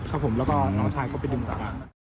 แล้วก็น้องชายเข้าไปดื่มกัน